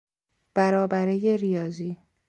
برابرهی ریاضی